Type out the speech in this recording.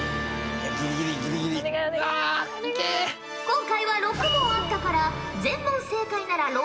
今回は６問あったから全問正解なら６００